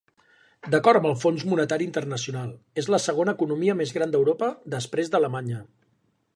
D'acord amb el Fons Monetari Internacional, és la segona economia més gran d'Europa, després d'Alemanya.